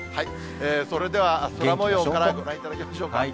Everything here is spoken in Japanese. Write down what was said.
それでは、空もようからご覧いただきましょうか。